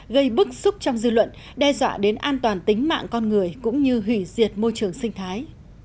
gây bức xúc trong dư luận đe dọa đến an toàn tính mạng con người cũng như hủy diệt môi trường sinh thái